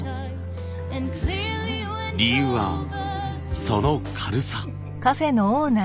理由はその軽さ。